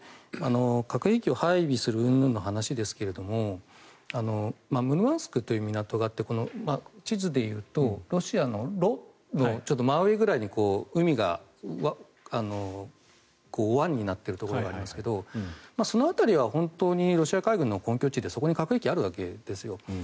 核兵器を配備するうんぬんの話ですがある港があってこの地図で言うとロシアのロの真上くらいに海が、湾になっているところがありますがその辺りはロシア海軍の本拠地でそこに核兵器があるだけです。